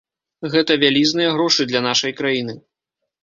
Гэта вялізныя грошы для нашай краіны!